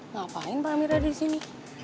ngapain pak amir ada di sini